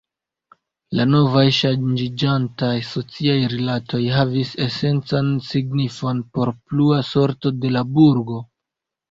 La novaj, ŝanĝiĝantaj sociaj rilatoj, havis esencan signifon por plua sorto de la burgo.